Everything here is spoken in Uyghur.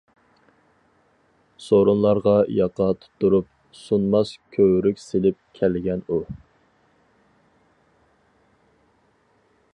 سورۇنلارغا ياقا تۇتتۇرۇپ، سۇنماس كۆۋرۈك سېلىپ كەلگەن ئۇ.